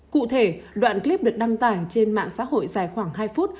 cụ thể đoạn clip được đăng tải trên mạng xã hội dài khoảng hai phút